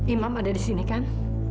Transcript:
imam ada disini kan